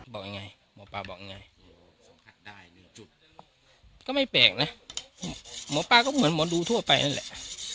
บอกยังไงหมอปลาบอกไงสัมผัสได้๑จุดก็ไม่แปลกนะหมอปลาก็เหมือนหมอดูทั่วไปนั่นแหละ